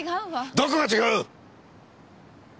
どこが違う！